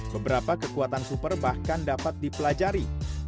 beberapa kekuatan super bahkan dapat dipelajari